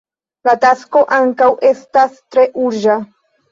La tasko ankaŭ estas tre urĝa.